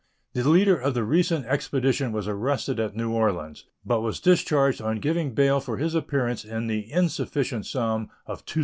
The leader of the recent expedition was arrested at New Orleans, but was discharged on giving bail for his appearance in the insufficient sum of $2,000.